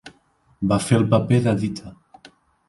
Va fer el paper de Dite.